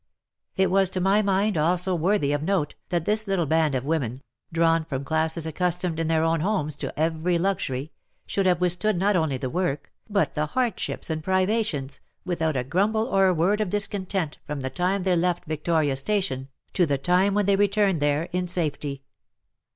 It was to my mind also worthy of note that this little band of women — drawn from classes accustomed in their own homes to every luxury, should have withstood not only the work, but the hardships and privations, without a grumble or a word of discontent from the time they left Victoria Station to the time when they returned there in safety.